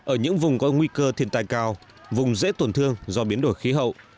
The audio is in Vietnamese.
ở những vùng có nguy cơ thiên tai cao vùng dễ tổn thương do biến đổi khí hậu